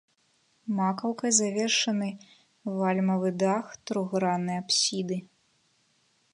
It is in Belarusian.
Макаўкай завершаны вальмавы дах трохграннай апсіды.